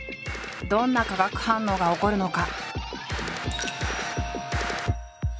どんな化学反応が起こるのか？